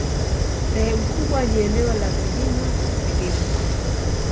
Sehemu kubwa ni eneo la vilima-vilima.